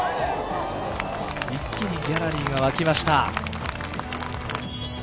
一気にギャラリーが沸きました。